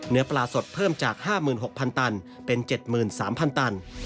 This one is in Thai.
เนื้อปลาสดเพิ่มจาก๕๖๐๐ตันเป็น๗๓๐๐ตัน